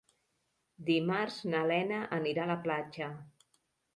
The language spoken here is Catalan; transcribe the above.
Dimarts na Lena anirà a la platja.